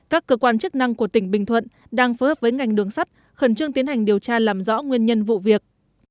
các cơ quan chức năng của tỉnh bình thuận đang phối hợp với ngành đường sắt khẩn trương tiến hành điều tra làm rõ nguyên nhân vụ việc